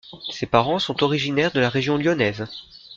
Ses parents sont originaires de la région lyonnaise.